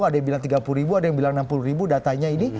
ada yang bilang tiga puluh ribu ada yang bilang enam puluh ribu datanya ini